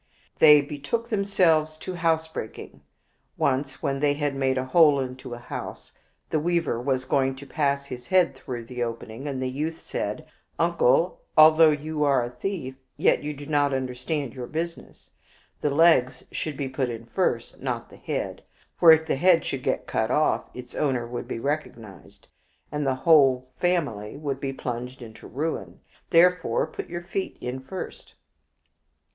They betook themselves to housebreaking. Once when they had made a hole into a house, and the weaver was going to pass his head through the opening, the youth said, " Uncle, although you are a thief, yet you do not under stand your business. The legs should be put in first, not the head. For if the head should get cut off, its owner would be recognized, and his whole family would be plunged into ruin. Therefore put your feet in first."